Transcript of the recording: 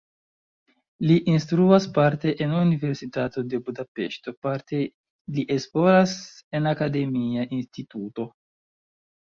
Li instruas parte en Universitato de Budapeŝto, parte li esploras en akademia instituto.